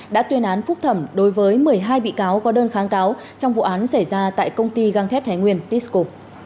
đã tuyên án phúc thẩm đối với một mươi hai bị cáo có đơn kháng cáo trong vụ án xảy ra tại công ty găng thép thái nguyên tisco